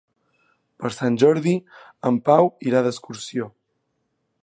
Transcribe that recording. Per Sant Jordi en Pau irà d'excursió.